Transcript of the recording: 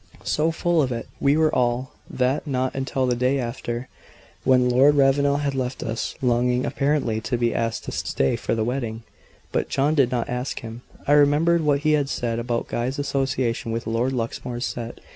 So full of it were we all, that not until the day after, when Lord Ravenel had left us, longing apparently to be asked to stay for the wedding, but John did not ask him, I remembered what he had said about Guy's association with Lord Luxmore's set.